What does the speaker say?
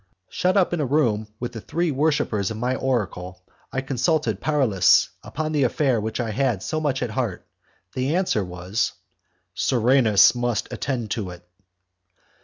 Shut up in a room with the three worshippers of my oracle, I consulted Paralis upon the affair which I had so much at heart. The answer was: "Serenus must attend to it."